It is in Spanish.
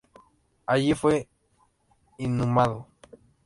Allí fue inhumado.